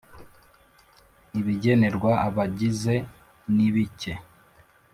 Ibigenerwa abagize nibike.